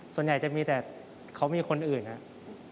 ส่วนใหญ่จะมีแต่เขามีคนอื่นครับ